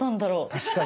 確かにね。